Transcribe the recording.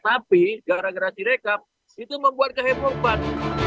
tapi gara gara direkap itu membuat kehebohan